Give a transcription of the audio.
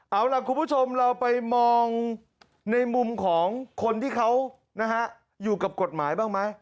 เอาล่ะคุณผู้ชมเราไปมองในมุมของคนที่เขานะฮะอยู่กับกฎหมายบ้างไหม